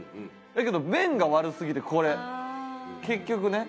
だけど便が悪すぎてこれ結局ね。